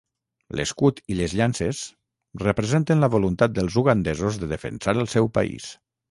L'escut i les llances representen la voluntat dels ugandesos de defensar el seu país.